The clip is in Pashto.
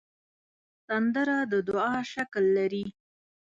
سندره د دعا شکل لري